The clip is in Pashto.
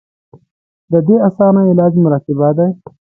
د دې اسان علاج مراقبه دے -